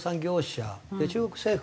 中国政府。